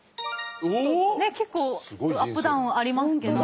結構アップダウンありますけども。